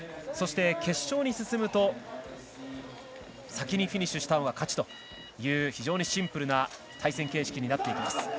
そして、決勝に進むと先にフィニッシュしたほうが勝ちという非常にシンプルな対戦形式になっています。